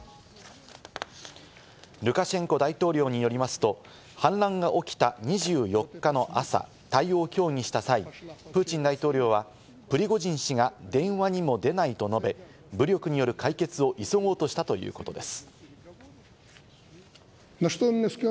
ルカシェンコ大統領によりますと、反乱が起きた２４日の朝、対応を協議した際、プーチン大統領はプリゴジン氏が電話にも出ないと述べ、武力による解決を急ごうとしたということです。